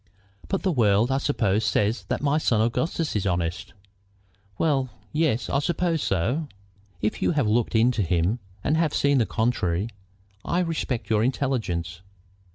"But the world, I suppose, says that my son Augustus is honest?" "Well, yes; I should suppose so." "If you have looked into him and have seen the contrary, I respect your intelligence."